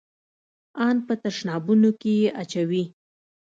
ان په تشنابونو کښې يې اچوي.